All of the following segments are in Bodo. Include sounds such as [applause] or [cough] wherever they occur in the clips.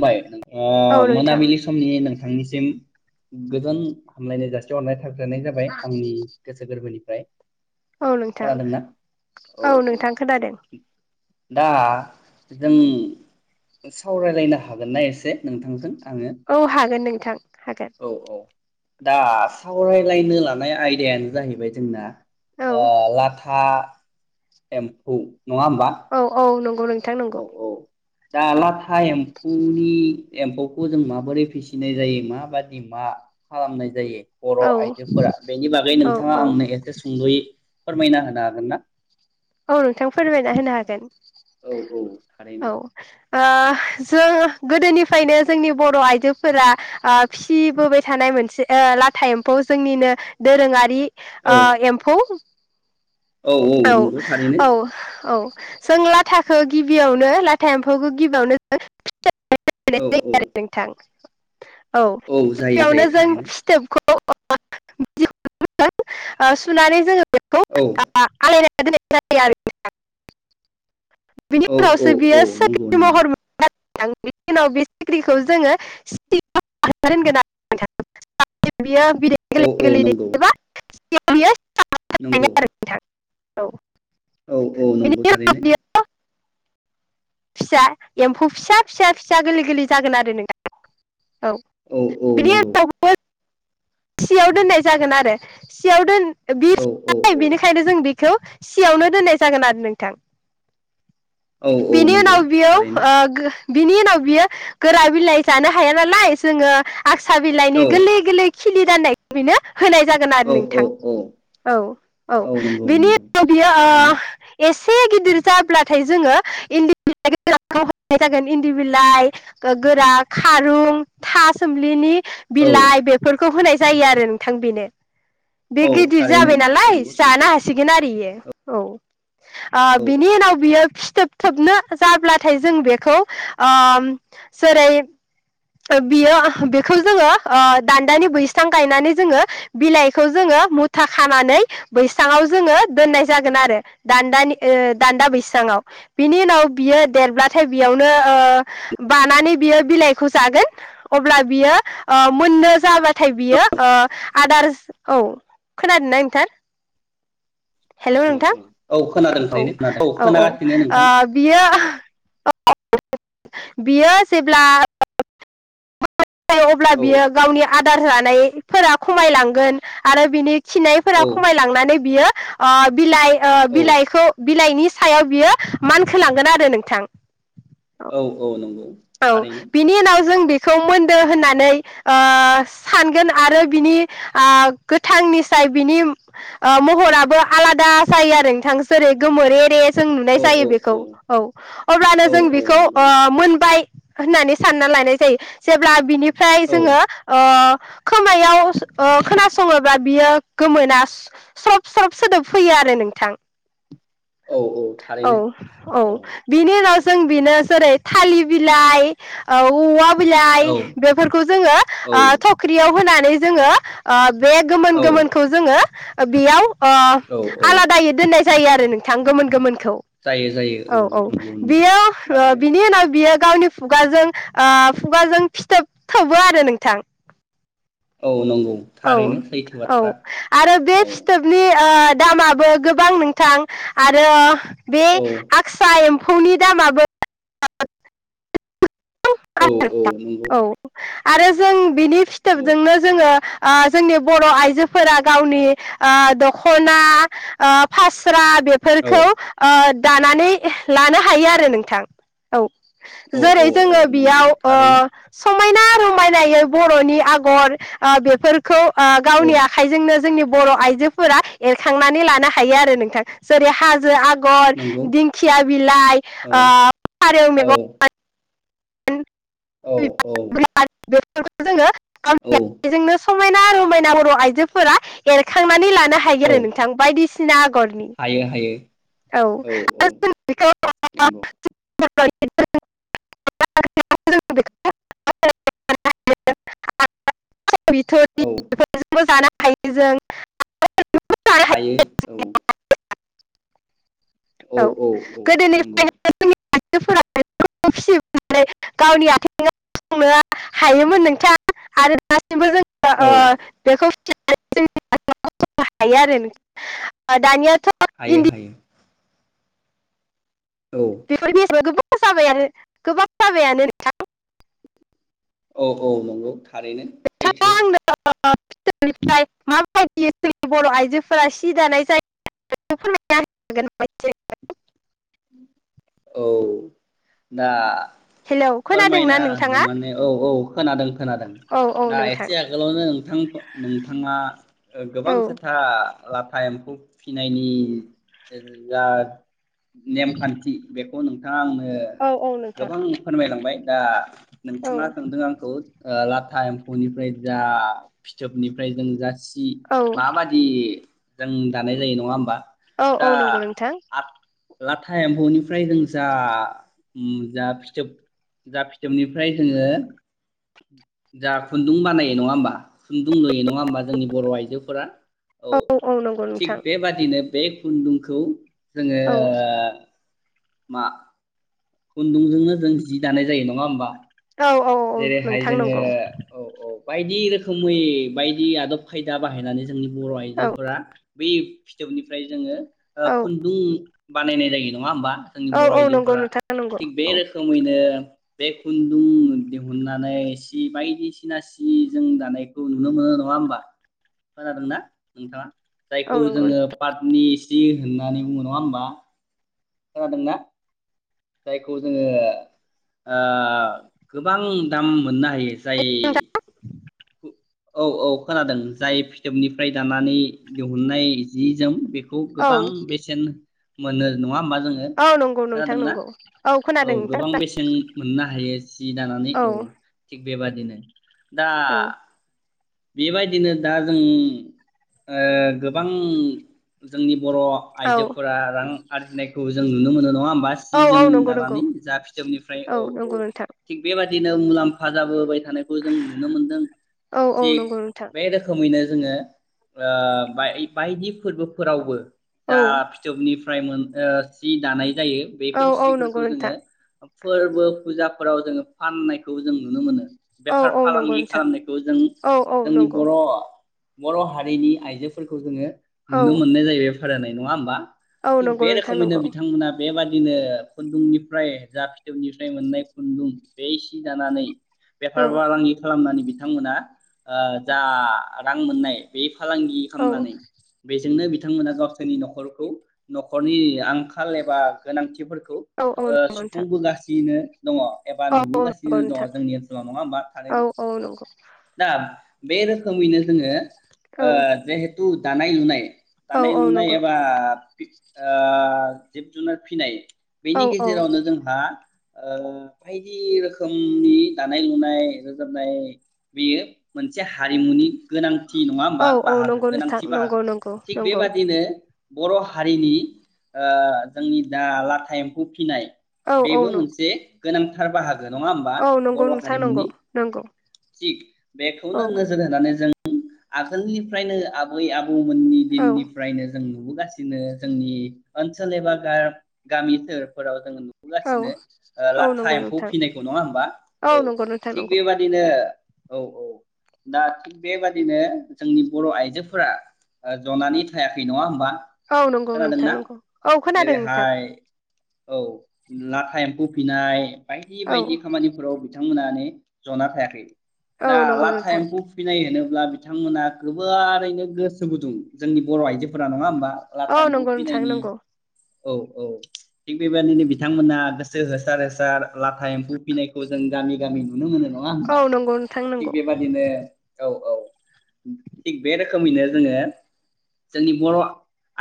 माय ओ औ नोंथां मोनाबिलि समनि नो थांनिसिम गोजोन हामलायनाय जासिहरनाय साबजानाय जाबाय आंनि गोसो गोरबोनिफ्राय। औ नोंथां खोनादोंना? औ नोंथां खोनादों दा जों सावरायलायनो हा हागोन ना एसे नोंथांजों? आङो औ हागोन नों- थां औ औ दा सावरायलायनो लानाय आयदायानो जाहैबाय जोंना औ अ लाथा एम्फौ नङा होमबा औ औ नंगौ नोंथां नंगौ औ औ दा लाथा एम्फौनि एम्फौखौ जों माबोरै फिसिनाय जायो माबादि मा खालामनाय जायो। बर औ आइजोफोरा बेनि बागै औ नोंथाङा औ आंनो एसे सुंदयै फोरमायना होनो हागोन ना? औ नोंथां फोरमायना होनो हागोन। औ औ थारैनो। औ ओ जों गोदोनिफ्रायनो जोंनि बर आइजोफोरा आ फिसिबोबाय थानाय मोनसे ओ लाथा एम्फौ जोंनिनो दोरोङारि औ ओ एम्फौ औ औ नंगौ दा। औ औ जों लाथाखौ गिबियावनो लाथा एम्फौखौ गिबियावनो जों औ औ [unintelligible] नोंथां औ जायो गिबियावनो जायो जों थारैनो फिथोबखौ [unintelligible] ओ सुनानै जोङो बेखौ औ आ [unintelligible] बिनि औ औ उनावसो बियो औ नंगौ सोख्रि नंगौ महर बिनि उनाव बे सिख्रिखौ जोङो [unintelligible] औ औ गोरलै नंगौ। दैयोबा [unintelligible] सिनायगोन नंगौ। आरो नोंथां औ औ औ बिनि नंगौ उनाव थारैनो। बियो फिसा एम्फौ फिसा फिसा फिसा गोरलै गोरलै जागोन आरो नोंथां। औ औ बिनि नंगौ [unintelligible] सियाव दोननाय जागोन आरो सियाव दोन औ औ बिसि औ बेनिखायनो जों बे खौ सियावनो दोननाय जागोन आरो नोंथां। औ औ बेनि नंगौ उनाव बेयाव थारैनो ओ गो बिनि उनाव बियो गोरा बिलाइ जानो हाया नालाय जोङो आक्सा बिलाइनि औ गोरलै गोरलै खिलि जानाय बेनो होनाय जागोन आरो औ औ नोंथां औ औ औ नंगौ बिनि नंगौ उनाव बियो ओ थारैनो एस एसे गिदिर जाब्लाथाय जोङो इन्दि बिलाइ गनाय जागोन इन्दि बिलाइ गोरा खारुं था सोमलिनि औ बिलाइ बेफोरखौ होनाय जायो आरो नोंथां बेनो बे औ गिदिर थारैनो जाबाय नालाय नंगौ जानो सैथो हासिगोन आरो बियो। औ। आ औ बिनि नाव बियो। सिथोब थाबनो जाब्लाथाय जों बेखौ ओ जेरै बियो बेखौ जोङो ओ दान्दानि बैस्रां गायनानै जोङो बिलाइ खौ जो मुथा खानानै बैङाव जोङो दोननाय जागोन आरो द दान्दा बैसाङाव बिनि उनाव बियो देरब्लाथाय बेयावनो ओ बानानै बियो बिलाइखौ जागोन अब्ला बियो ओ मोननो जाबा नाथाय बियो ओ आदारस औ खोनादों ना नोंथां। हेलौ औ नोंथां औ औ खोनादों औ थारैनो खोनादों औ औ खोनागासिनो नोंथां ओ बियो बियो जेब्ला ओ अब्ला औ बियो गावनि आ अदार जानायफोरा खमायलांगोन आरो बिनि खिनायफोरा औ खमायलांनानै बियो ओ बिलाइ ओ औ बिलाइखौ बिलाइनि सायाव बियो मानखोलांगोन आरो नोंथां। औ औ नंगौ। औ थारैनो बिनि उनाव जों बे बेखौ मोनदो होननानै ओ सानगोन आरो बिनि ओ गोथांनिसाय बिनि महराबो आलादा जायो आरो नोंथां जेरै गोमोन एरे जों नुनाय औ जायो औ बेखौ औ अब्लानो औ जों औ बेखौ नंगौ ओ मोनबाय होननानै सानना लायानाय जायो जेब्ला बिनि फ्राय औ जोङो ओ। खोमायाव खोनासङोब्ला बियो गोमोना सब सब सोदोब फैयो आरो नोंथां। औ औ थारैनो औ बिनि उनाव जों बेनो जेरै थाललि लाइ औवाब बिलाइ औ बेफोरखौ जोङो ओ औ थख्रियाव होनानै दै जोङो ओब बे गोमोन औ गोमोनखौ जोङो ओ बेयाव ओ औ औ आलादायै दोननाय जायो आरो नोंथां गोमोन गोमोन खौ जायो जायो औ औ नंगौ नंगौ बियो ओ थारैनो बिनि उनाव बियो गावनि खुगाजों ओ खुगाजों फिथोब थोबो आरो नोंथां। औ नंगौ औ थारैनो सैथो औ बाथ्रा आरो बे औ फिथोबनि ओ दामाबो गोबां नोंथां आरो बे औ आगसा एम्फ फौनि दामाबो ओ औ औ नंगौ [unintelligible] औ आरो जों बिनि औ फिथोबजोंनो जोङो ओ जोंनि बर' आइजोफोरा गावनि ओ दख'ना ओ फास्रा बेफोरखौ औ ओ दानानै लानो हायो आरो नोंथां औ औ जेरै औ औ जोङो नंगौ बेयाव ओ थारैनो स' समायना रमायनायै बर'नि आगर ओ बेफोर। खौ ओ औ गावनि आखाइजोंनो जोंनिब बर' आइजोफोरा एरखांनानै लानो हायो आरो नोंथां जेरै हाजो आग गर नंगौ दिंखिया बिलाइ औ ओब फारौ औ मेगं औ औ फोरखौ औ जोङो [unintelligible] समायना रमायना बर' आइजोफोरा एरखांनानै लानो नो हायो औ आरो नोंथां बायदिसिना आगरनि हायो हायो औ आरो जों बिखौ नंगौ [unintelligible] [unintelligible] [unintelligible] औ [unintelligible] हायो जों [unintelligible] हायो औ‌। औ औ नंगौ गोदोनिफ्रायनो जोंनि आइजोफोरा [unintelligible] गावनि आथेंआव गसंनो हायोमोन नोंथां आरो [unintelligible] औ ओ बेखौ [unintelligible] हायो आरो दानिया हायो हायो। औ बेफोरनि [unintelligible] जाबायानो गोबां जाबायानो नोंथां। औ औ नंगौ। थारैनो नोंथाङा सैथो। [unintelligible] माबायदि बर' आइजोफोरा सि दानाय जायो फोरमाय [unintelligible] औ दा हेलौ खोनादोंना फोरमायना होनो नोंथाङा? माने औ औ। खोनादों। खोनादों औ औ दा नोंथां एसे आगोलावनो नोंथां नोंथाङा औ गोबां खोथा लाथा एम्फौ फिनायनि जा नेमखान्थि बेखौ नों थांआ आंनो नो औ औ नोंथां गोबां फोरमायलांबाय। दा औ नोंथाङा सोंदों आंखौ ला था एम्फौनिफ्राय जा फिथोबनिफ्राय जों जा दि औ माबादि जों दानाय जायो नङा ओमबा? औ औ नंगौ नोंथां। लाथा एम्फौनिफ्राय जों जा उम जा फिथोब जा फिथोबनिफ्राय जोङो जा खुन्दुं बानायो नङा ओमबा खुन्दुं लुयो नङा ओमबा जोंनि बर' आइजोफोरा औ थिग बेबादिनो बे खुन्दुंखौ जोङो औ मा खुन्दुंजोंनो जों जि दानाय जायो नङा ओमबा औ औ औ नोंथां नंगौ औ औ बायदि रोखोमै बायदि आदब खायदा बाहायनानै जोंनि बर' औ आइजोफोरा बि फिथोबनिफ्राय जोङो ओ औ खन्दुं बानायनाय जायो नङा होमबा? जोंनि औ बर' औ नंगौ आइजोफोरा नोंथां नंगौ थिग बे औ रोखोमैनो बे खुन्दुं दिहुननानै सि बायदिसिना सि जों दानायखौ नुनो मोनो नङा होमबा खोनादों ना नोंथाङा? औ जायखौ नंगौ जोङो पाटनि जि होननानै बुङो नङा होमबा? खोनादों ना? जायखौ जोङो ओ गोबां दाम मोननो हायो जाय नोंथां औ औ खोनादों जाय फिथोबनिफ्राय दानानै दिहुननाय जि जोम बे खौ औ गोबां बेसेन मोनो नङा होमबा? जोङो औ नंगौ नोंथां खोनादोंना नंगौ खोनादों औ नोंथां गोबां बेसेन मोननो हायो सि दानानै औ थिग बेबादिनो दा औ बेबायदिनो दा जों ओ गोबां जोंनि बर' औ आइजोफोरा रां आरजिनायखौ जों नुनो मोन नङा होम बा सि औ औ जोम नंगौ नंगौ दानानै जा फिथोबनिफ्राय औ औ नंगौ नोंथां थिग बेबा दिनो मुलाम्फा जाबोबाय थानायखौ जों नुनो मोनदों। औ औ थिक नंगौ नोंथां बे रोखोमैनो जोङो ओ बाय बायदि फोरबोफोरावबो औ जा फिथोबनि फ्राय मोन ओ सि दानाय जायो औ बेफोर औ नंगौ सिफोरखौ नोंथां जोङो फोरबो फुजाफोराव जोङो फाननायखौ जों नुनो मोनो। औ बेफार औ नंगौ फालांगि नोंथां खालामनायखौ जों औ औ जोंनि नंगौ। बर' बर' हारिनि आइजोफोरखौ जोङो औ नुनो मोननाय जायो। [unintelligible] नङा होमबा? औ थिग नंगौ बे नोंथां रोखोमैनो नंगौ बिथांमोना बेबादि बिदिनो खुन्दुंनिफ्राय जा फिथोबनिफ्राय मोननाय खुन्दुं बे सि दानानै बेफार औ फालांगि खालामनानै बिथांमोना ओ जा रां मोननाय बे फालांगि औ खालामनानै बेजोंनो बिथ बिथांमोना गावसोरनि न'खरखौ न'खरनि आंखाल एबा गोनांथिफोर खौ औ औ ओ नंगौ नोंथां सुफुंबोगासिनो दङ एबा औ औ नंगौ नुबोगासिनो दङ नोंथां जोंनि ओनसोलाव नङा होमबा औ थारैनो औ नंगौ दा बे रोखोमैनो जोङो औ ओ जिहेथु दानाय लुनाय औ दानाय औ नुनाय नंगौ एबा ओ जिब जुनार फिनाय औ बेनि औ गेजेरावनो जोंहा ओ बायदि रोखोमनि दानाय लुनाय रोजाबनाय बेयो मोनसे हारिमुनि गोनांथि नङा औ होमबा औ बाहागो नंगौ नोंथां गोनांथि नंगौ बाहागो नंगौ थिग नंगौ बेबादिनो बर' हारिनि ओ जोंनि दा लाथा एम्फौ फिनाय औ औ बेबो नं मोनसे गोनां हा बाहाग औ नंगौ नोंथां नंगौ नंगौ थिक औ बेखौनो नोजोर होनानै जों आगोलनिफ्रायनो आबै आबौ बौ मोननि औ दिननिफ्रायनो जों नुबो गासिनो जोंनि ओनसोल एबा गा गामिफोराव जोङो नु औ बोगासिनो ओ औ लाथा नंगौ एम्फौ नोंथां फिनायखौ नङा होमबा औ नंगौ नोंथां थिग नंगौ बेबादिनो औ औ दा थिग बेबादिनो जोंनि बर' आइजोफोरा ओ ज'नानै थायाखै नङा होमबा औ नंगौ नोंथां खोनादोंना नंगौ औ खोनादों नोंथां जेरैहाय औ लाथा एम्फौ फिनाय बायदि औ बायदि खामानिफोराव बिथांमोनानो जना थायाखै औ दा नंगौ लाथा नोंथां एम्फौ फिनाय होनो अब्ला बिथांमोना गोबारैनो गोसो गुदुं जोंनि बर' आइजो गुना नङा होमबा औ लाथा एम्फौ नंगौ नोंथां फिनायनि नंगौ औ औ थिग बेबायदिनो बिथांमोना गोसो होसार होसार लाथा एम्फौ फिनायखौ जों गामि गामि नुनो मोनो नङा होमबा थां थिग नंगौ बेबादिनो औ औ थिग बे रोखोमैनो जोङो जोंनि बर'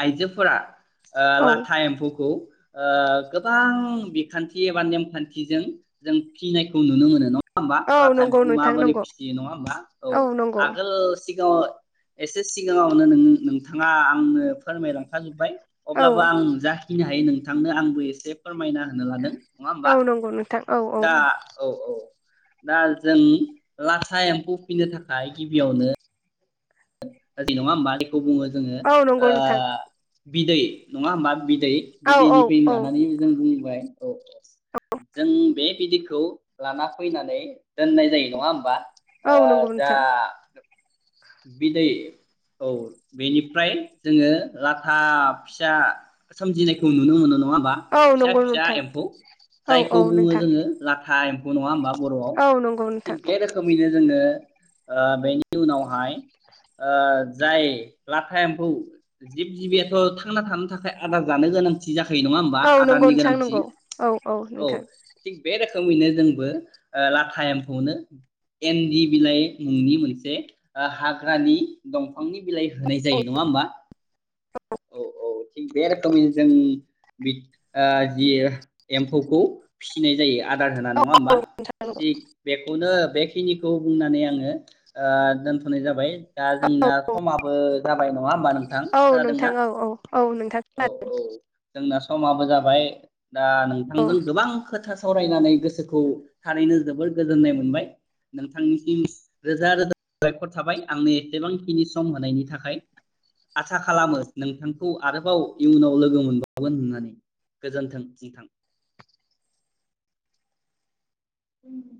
आइजोफोरा ओ औ लाथा एम्फौखौ ओ गोबां बिखान्थि एबा नेमखान्थिजों जों फिनायखौ नुनो मोनो नङा होमबा औ लाथा नंगौ एम्फौखौ नों माबोरै फियो नङा होमबा औ आगोल सिगाङाव एसे सिगाङावनो नों नोंथाङा आंनो फोरमायलांखा जोब्बाय औ अब्लाबो आं जाखिनो हायो नों थांनो आंबो एसे फोरमायना होनो लादों। नङा होमबा औ नंगौ नोंथां औ औ दा औ औ दा जों लाथा एम्फौ फिनो थाखाय गिबियावनो [unintelligible] खौ बुङो जोङो औ नंगौ नोंथां बिदै नङा होमबा बि दै औ औ बिदैनिफ्रायनो औ लानानै जों बुंबाय औ जों बे बिदैखौ लाना फैनानै दोननाय जायो नङा होमबा औ ओ नंगौ दा नोंथां बिदै औ बेनिफ्राय जोङो लाथा फिसा सोमजिनायखौ नुनो मोनो। नङा होमबा औ फिसा नंगौ फिसा नोंथां एम्फौ औ जायखौ औ बुङो नोंथां जोङो लाथ फाइयेमखौ नङा होमबा बेर'आव औ नंगौ नोंथां जोंनो ओ बेनि उनावहाय जों ओ जाय लाथा एम्फौ जिब जिबियाथ' थांना थानो थाखाय आदार जानो गोनांथि जाखा औ नंगौ नोंथां नंगौ औ औ नोंथां। थिग बे रोखोमैनो जोंबो ओ लाथा एमफौनो एन्दि बिलाइ मुंनि मोनसे ओ हाग्रानि दंफांनि बिलाइ होनाय औ जायो नङा होमबा औ औ। थिग बे रोखोमनि जों ओ जि एम्फौखौ फिसिनाय जायो। आदार होना नङा औ होमबा थिग बेखौनो बेखिनिखौ बुंनानै आङो दोन थनाय जाबाय। दा जोंनाया समाबो जाबाय नङा होमबा नोंथां खोनादोंना नोंथां औ औ औ नोंथां औ खोनादों औ जोंना? समाबो जाबाय। दा औ नोंथांजों गोबां खोथा सावरायनानै गोसोखौ थारैनो जोबोर गोजोननाय मोनबाय नोंथांनिसिम रोजा रोजा साबायखर थाबाय आंनो एसेबांखिनि सम होनायनि थाखाय आसा खालामो नोंथांखौ आरोबाव इयुनाव लोगो मोनबावगोन होननानै गोजोनथों नोंथां। उम।